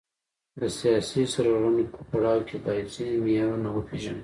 د سیاسي سرغړونې په پړاو کې باید ځینې معیارونه وپیژنو.